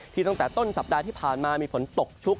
ตั้งแต่ต้นสัปดาห์ที่ผ่านมามีฝนตกชุก